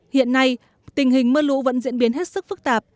hiện nay tình hình mưa lũ vẫn diễn biến hết sức phức tạp